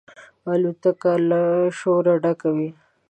الوتکه له شوره ډکه وي.